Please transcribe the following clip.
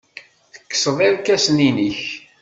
Tekkseḍ irkasen-nnek.